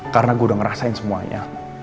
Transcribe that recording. karena gue udah ngerasain semuanya